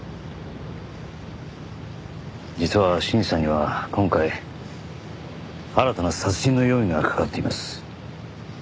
実は信二さんには今回新たな殺人の容疑がかかっています。